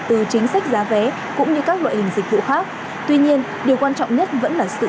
từ chính sách giá vé cũng như các loại hình dịch vụ khác tuy nhiên điều quan trọng nhất vẫn là sự